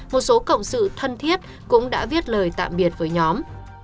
một số cộng sự thân thiết cũng đã viết lời tạm biệt với nhóm